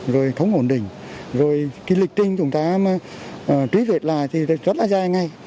rồi không ổn định rồi lịch trình chúng ta truy vết lại thì rất là dài ngay